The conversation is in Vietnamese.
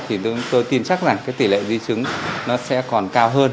thì tôi tin chắc rằng cái tỷ lệ di chứng nó sẽ còn cao hơn